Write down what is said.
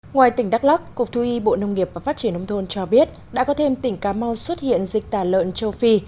ngoài tỉnh đắk lắc cục thu y bộ nông nghiệp và phát triển nông thôn cho biết đã có thêm tỉnh cà mau xuất hiện dịch tả lợn châu phi